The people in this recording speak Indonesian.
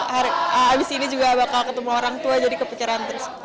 habis ini juga bakal ketemu orang tua jadi kepucaran terus